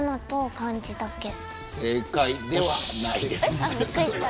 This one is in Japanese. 正解ではないです。